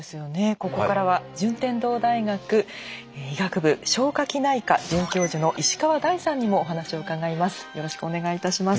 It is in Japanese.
ここからは順天堂大学医学部消化器内科准教授の石川大さんにもお話を伺います。